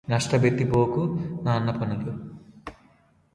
నష్టపెట్టబోకు నాన్నపనులు